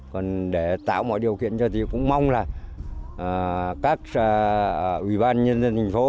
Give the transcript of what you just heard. còn để tạo mọi điều kiện cho chị cũng mong là các ủy ban nhân dân thành phố